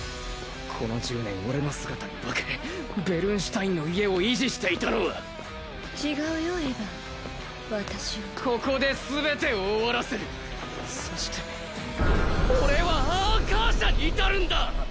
この１０年俺の姿に化けベルンシュタインの家を維持していたのは違うよエヴァン私はここで全てを終わらせるそして俺はアーカーシャに至るんだ！